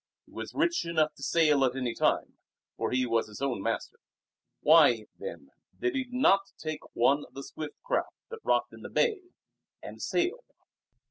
He was rich enough to sail at any time, for he was his own master. Why, then, did he not take one of the swift craft that rocked in the bay, and sail?